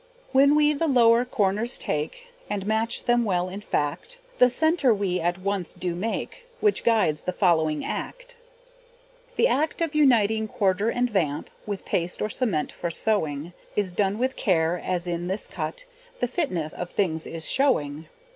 When we the lower corners take, And match them well in fact, The centre we at once do make, Which guides the following act The act of uniting quarter and vamp, With paste or cement for sewing, Is done with care, as in this cut, The fitness of things is showing.